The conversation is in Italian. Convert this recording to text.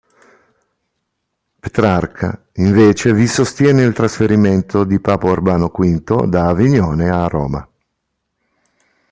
Petrarca invece vi sostiene il trasferimento di Papa Urbano V da Avignone a Roma.